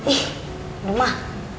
ih aduh mah